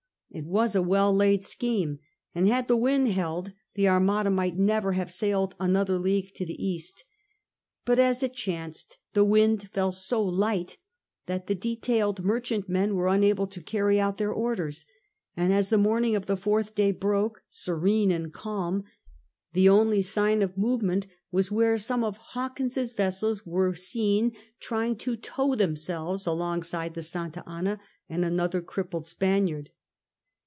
It was a well laid scheme, and had the wind held, the Armada might never have sailed another league to the east ; but as it chanced, the wind fell so light that the detailed merchantmen were unable to carry out their orders, and as the morning of the fourth day broke serene and calm, the only sign of movement was where some of Hawkins's vessels were seen trying to tow themselves alongside the Safda Anna and another crippled Spaniard.